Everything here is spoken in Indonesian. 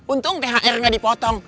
untung thr enggak dipotong